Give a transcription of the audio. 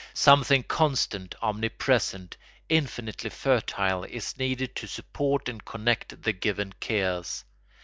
Something constant, omnipresent, infinitely fertile is needed to support and connect the given chaos.